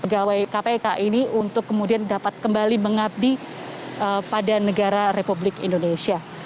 pegawai kpk ini untuk kemudian dapat kembali mengabdi pada negara republik indonesia